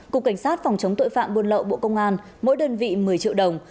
cục cảnh sát phòng chống tội phạm buôn lậu bộ công an mỗi đơn vị một mươi triệu đồng